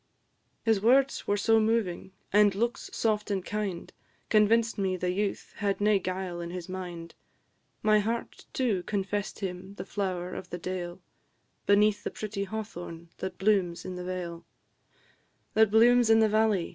His words were so moving, and looks soft and kind, Convinced me the youth had nae guile in his mind; My heart, too, confess'd him the flower of the dale, Beneath the pretty hawthorn that blooms in the vale That blooms in the valley, &c.